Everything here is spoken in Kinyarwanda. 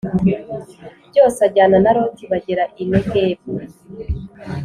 byose ajyana na Loti bagera i Negebu